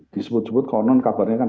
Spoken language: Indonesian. disebut sebut konon kabarnya kan